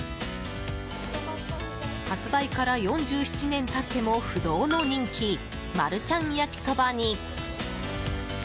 発売から４７年経っても不動の人気マルちゃん焼そばに。